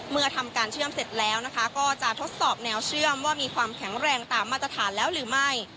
เมื่อทำการเชื่อมเสร็จแล้วนะคะก็จะทดสอบแนวเชื่อมว่ามีความแข็งแรงตามมาตรฐานแล้วหรือไม่